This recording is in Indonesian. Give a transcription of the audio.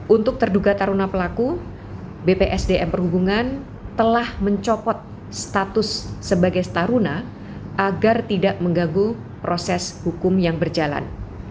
untuk terduga taruna pelaku bpsdm perhubungan telah mencopot status sebagai taruna agar tidak mengganggu proses hukum yang berjalan